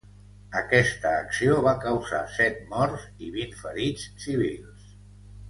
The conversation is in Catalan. Aquesta acció va causar set morts i vint ferits civils.